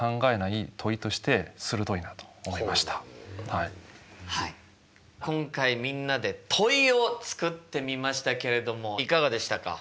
これは案外今回みんなで問いを作ってみましたけれどもいかがでしたか？